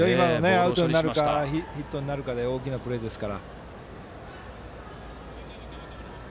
アウトになるかヒットになるかの大きなプレーでした。